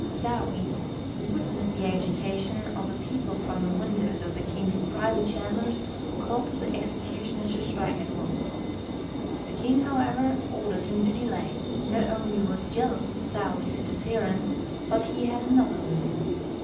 Saouy, who witnessed the agitation of the people from the windows of the king's privy chambers, called to the executioner to strike at once. The king, however, ordered him to delay; not only was he jealous of Saouy's interference, but he had another reason.